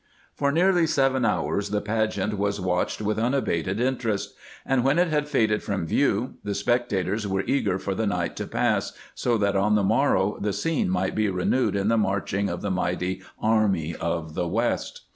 For nearly seven hours the pageant was watched with unabated interest; and when it had faded from view the spectators were eager for the night to pass, so that on the morrow the scene might be renewed in the marching of the mighty Army of the West.